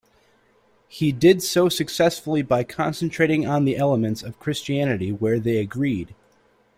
He did so successfully by concentrating on the elements of Christianity where they agreed.